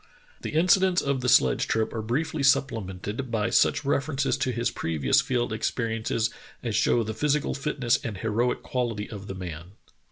The incidents of the sledge trip are briefly supplemented by such references to his previous field experiences as show the physical fitness and heroic quality of the man.